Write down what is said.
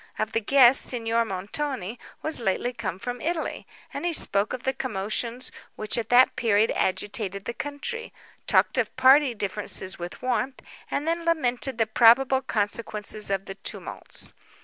Of the guests, Signor Montoni was lately come from Italy, and he spoke of the commotions which at that period agitated the country; talked of party differences with warmth, and then lamented the probable consequences of the tumults.